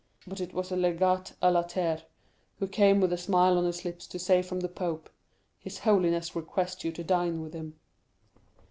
but it was a legate à latere, who came with a smile on his lips to say from the pope, 'His holiness requests you to dine with him.